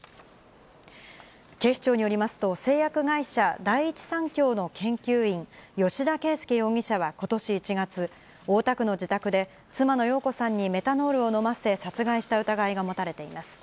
警視庁によりますと、製薬会社、第一三共の研究員、吉田佳右容疑者はことし１月、大田区の自宅で、妻の容子さんにメタノールを飲ませ、殺害した疑いが持たれています。